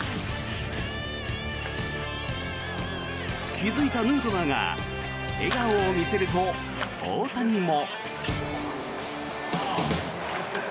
気付いたヌートバーが笑顔を見せると、大谷も。